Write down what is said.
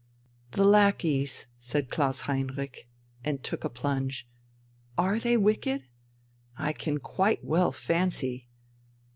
"The lackeys ..." said Klaus Heinrich, and took a plunge ... "are they wicked? I can quite well fancy